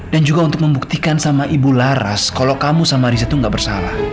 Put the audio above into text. dan juga untuk membuktikan sama ibu laras kalau kamu sama riza itu nggak bersalah